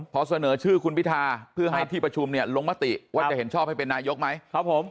พอเสนอชื่อคุณพิธาเพื่อให้ที่ประชุมเนี่ยลงมติว่าจะเห็นชอบให้เป็นนายกไหม